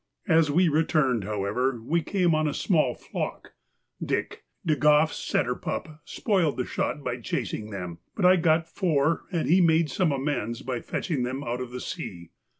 As we returned, however, we came on a small flock; 'Dick,' De Groff's setter pup, spoilt the shot by chasing them, but I got four, and he made some amends by fetching them out of the sea.